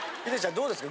どうですか？